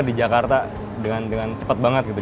di jakarta dengan cepat banget gitu